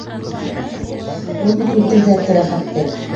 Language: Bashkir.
Ул бит үлтерҙе Әптеләхәтте!